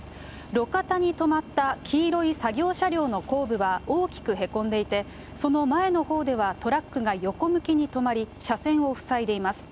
路肩に止まった黄色い作業車両の後部が大きくへこんでいて、その前のほうではトラックが横向きに止まり、車線を塞いでいます。